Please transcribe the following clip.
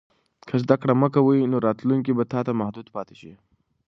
که زده کړه مه کوې، نو راتلونکی به تا ته محدود پاتې شي.